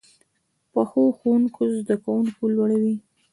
پخو ښوونکو زده کوونکي لوړوي